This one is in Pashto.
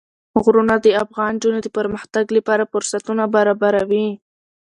غرونه د افغان نجونو د پرمختګ لپاره فرصتونه برابروي.